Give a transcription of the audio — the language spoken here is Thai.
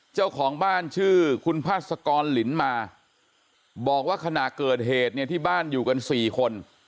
เจ้าของบ้านชื่อคุณพาสกรลินมาบอกว่าขณะเกิดเหตุเนี่ยที่บ้านอยู่กันสี่คน